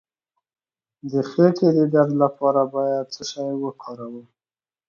د خیټې د درد لپاره باید څه شی وکاروم؟